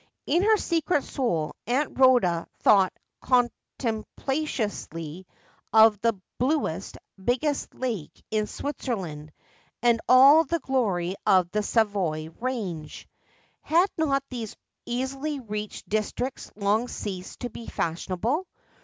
In her secret soul Aunt Ehoda thought contemptu ously of the bluest, biggest, lake in Switzerland, and all the glory of the Savoy range. Had not these easily reached districts long ceased to be fashionable?